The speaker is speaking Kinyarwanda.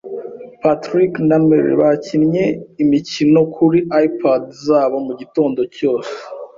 Patrick na Mary bakinnye imikino kuri iPad zabo mugitondo cyose.